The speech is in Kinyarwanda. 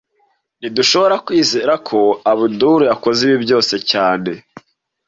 Ntidushobora kwizera ko Abdul yakoze ibi byose cyane